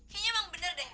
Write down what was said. kayaknya emang bener deh